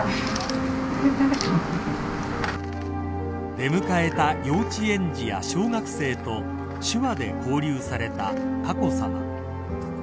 ［出迎えた幼稚園児や小学生と手話で交流された佳子さま］